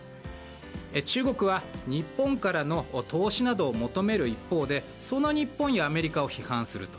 中国は日本からの投資などを求める一方でその日本やアメリカを批判する。